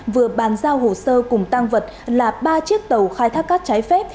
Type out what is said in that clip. vừa bàn giao hồ sơ cùng tăng vật là ba chiếc tàu khai thác cát trái phép